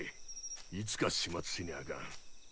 いつか始末せにゃあかん。